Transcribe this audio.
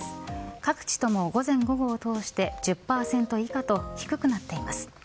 各地とも午前午後を通して１０％以下と低くなっています。